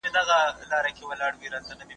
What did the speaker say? که څېړونکی نه وای نو حقیقت به پټ وای.